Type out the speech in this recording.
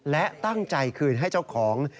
และตั้งใจคืนให้เจ้าของ